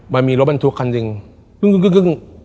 มันมีรถมันทุกคันหนึ่งคึ่งคึ่งคึ่งคึ่ง